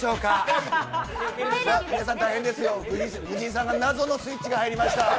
藤井さんが謎のスイッチが入りました。